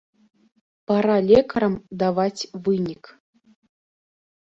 Пара лекарам даваць вынік.